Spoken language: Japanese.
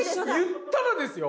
言ったらですよ